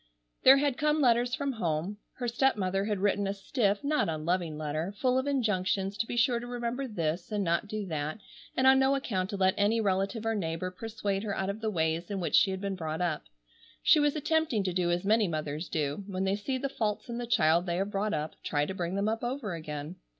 There had come letters from home. Her stepmother had written, a stiff, not unloving letter, full of injunctions to be sure to remember this, and not do that, and on no account to let any relative or neighbor persuade her out of the ways in which she had been brought up. She was attempting to do as many mothers do, when they see the faults in the child they have brought up, try to bring them up over again.